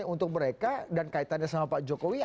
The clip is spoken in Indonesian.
untuk mereka dan kaitannya sama pak jokowi